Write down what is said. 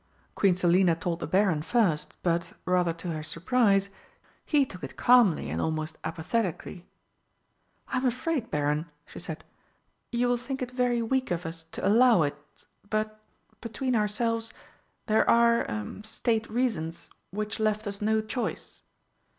Queen Selina told the Baron first, but, rather to her surprise, he took it calmly and almost apathetically. "I'm afraid, Baron," she said, "you will think it very weak of us to allow it, but, between ourselves, there are er State reasons which left us no choice."